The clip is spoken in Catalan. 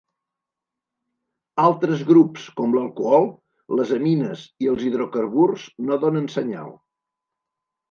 Altres grups com l'alcohol, les amines i els hidrocarburs no donen senyal.